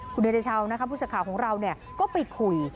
คุณเดชเชาผู้สักข่าวของเราก็ไปคุย